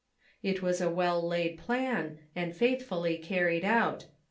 It was a well laid plan, and faithfully carried out.